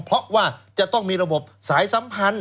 เพราะว่าจะต้องมีระบบสายสัมพันธ์